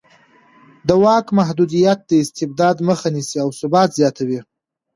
د واک محدودیت د استبداد مخه نیسي او ثبات زیاتوي